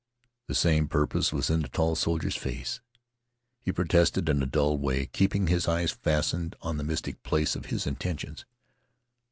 The same purpose was in the tall soldier's face. He protested in a dulled way, keeping his eyes fastened on the mystic place of his intentions.